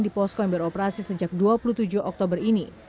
di posko yang beroperasi sejak dua puluh tujuh oktober ini